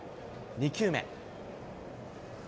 ２球目。